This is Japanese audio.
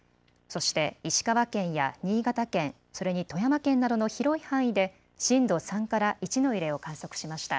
そして石川県や新潟県、それに富山県などの広い範囲で震度３から１の揺れを観測しました。